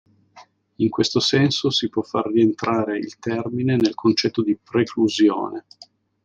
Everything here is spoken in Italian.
In questo senso si può far rientrare il termine nel concetto di preclusione.